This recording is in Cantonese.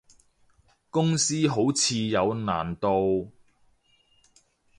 公司好似有難度